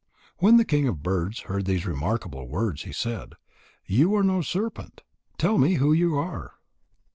When the king of birds heard these remarkable words, he said: "You are no serpent. Tell me who you are."